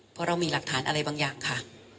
เพราะเรามีหลักฐานอะไรบางอย่างค่ะ